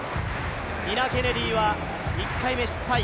ニナ・ケネディは１回目失敗。